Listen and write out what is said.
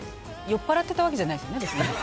酔っぱらってたわけじゃないですよね？